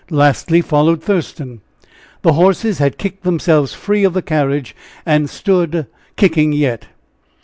Lastly followed Thurston. The horses had kicked themselves free of the carriage and stood kicking yet.